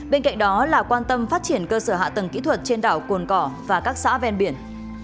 bên cạnh đó là quan tâm phát triển cơ sở hạ tầng kỹ thuật trên đảo cồn cỏ và các xã ven biển